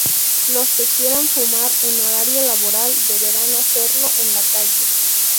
Los que quieran fumar en horario laboral deberán hacerlo en la calle.